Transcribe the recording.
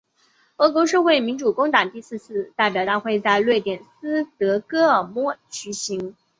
俄国社会民主工党第四次代表大会在瑞典斯德哥尔摩举行。